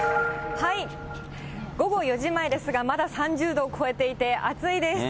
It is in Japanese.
午後４時前ですが、まだ３０度を超えていて、暑いです。